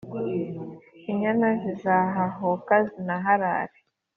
Inyana zizahahuka, zinaharare,